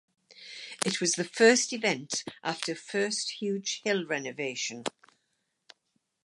It was the first event after first huge hill renovation.